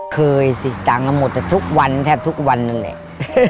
เคยสิตังค์กันหมดแต่ทุกวันแทบทุกวันนั่นแหละ